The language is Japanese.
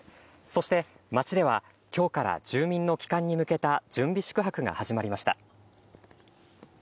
そして、町ではきょうから住民の帰還に向けた準備宿泊が始まりました。